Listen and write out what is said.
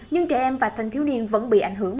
nhưng trẻ em và thanh thiếu niên vẫn bị ảnh hưởng